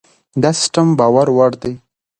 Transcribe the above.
دا سیستم باور وړ دی.